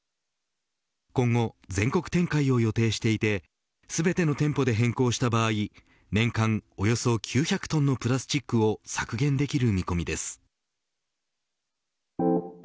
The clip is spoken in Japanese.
今後、全国展開を予定していて全ての店舗で変更した場合年間およそ９００トンのプラスチックを削減できる見込みです。